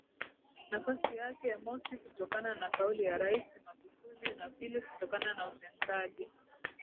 nafasi yake mosi kutokana na kauli ya rais Magufuli na pili kutokana na utendaji